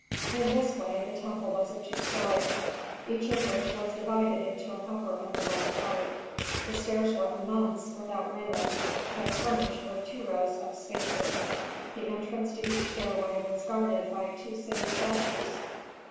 In this way the temple was of two stories, each of which was divided into an upper and a lower part. The stairs were immense, without railing, but furnished with two rows of sphinxes; the entrance to each stairway was guarded by two sitting statues.